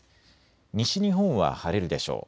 西日本は晴れるでしょう。